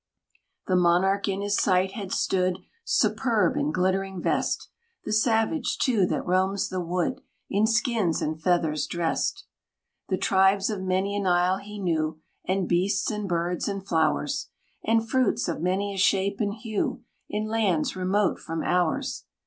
The monarch in his sight had stood, Superb, in glittering vest; The savage, too, that roams the wood, In skins and feathers dressed. The tribes of many an isle he knew; And beasts, and birds, and flowers, And fruits, of many a shape and hue, In lands remote from ours.